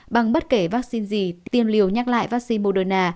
bằng bất kể vaccine gì tiêm liều nhắc lại vaccine moderna